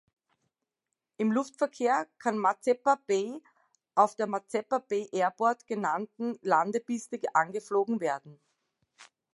Im Luftverkehr kann Mazeppa Bay auf der "Mazeppa Bay Airport" genannten Landepiste angeflogen werden.